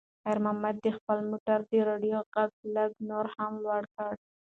خیر محمد د خپل موټر د راډیو غږ لږ نور هم لوړ کړ.